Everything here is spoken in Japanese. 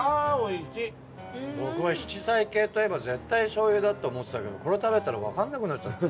僕は七彩系といえば絶対醤油だって思ってたけどこれ食べたらわかんなくなっちゃった。